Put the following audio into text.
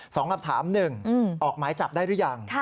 สองคำถามหนึ่งออกหมายจับได้หรือยัง